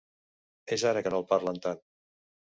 És ara que no el parlen tant.